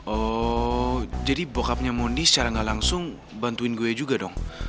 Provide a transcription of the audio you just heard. oh jadi bockupnya mondi secara gak langsung bantuin gue juga dong